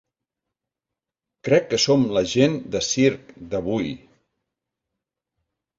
Crec que som la gent de circ d'avui.